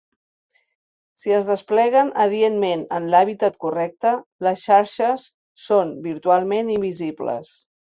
Si es despleguen adientment en l'hàbitat correcte, les xarxes són virtualment invisibles.